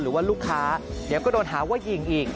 หรือว่าลูกค้าเดี๋ยวก็โดนหาว่ายิงอีก